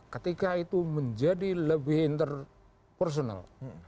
ketika itu menjadi lebih interpersonal